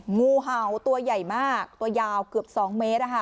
งูเห่าตัวใหญ่มากตัวยาวเกือบ๒เมตร